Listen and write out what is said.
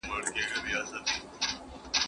د کلي خلګو افکار د کورنۍ په هویت کي موجود دي.